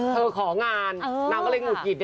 เธอของานเราก็เลยหงุดกริด